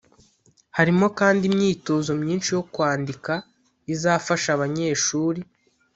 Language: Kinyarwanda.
harimo kandi imyitozo myinshi yo kwandika izafasha abanyeshuri